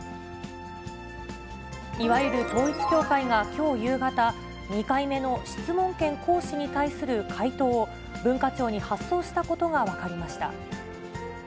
いわゆる統一教会がきょう夕方、２回目の質問権行使に対する回答を、文化庁に発送したことが分かりました。